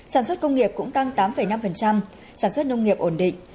sản xuất công nghiệp cũng tăng tám năm sản xuất nông nghiệp ổn định